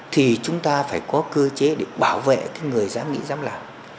thì chúng ta phải có cơ chế để bảo vệ cái người dám nghĩ dám làm